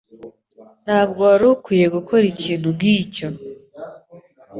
Ntabwo wari ukwiye gukora ikintu nkicyo.